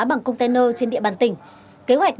bằng container trên địa bàn tỉnh kế hoạch